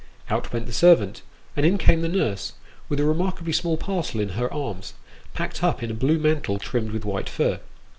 Out went the servant, and in came the nurse, with a remarkably small parcel in her arms, packed up in a blue mantle trimmed with white fur.